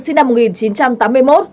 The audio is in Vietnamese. sinh năm một nghìn chín trăm tám mươi một